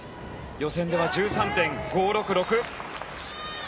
予選では１３．５６６。